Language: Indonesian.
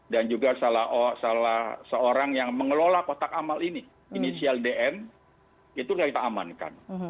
dan juga salah seorang yang mengelola kotak amal ini inisial dn itu kita amankan